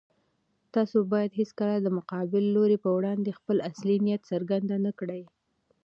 تاسو بايد هيڅکله د مقابل لوري په وړاندې خپل اصلي نيت څرګند نه کړئ.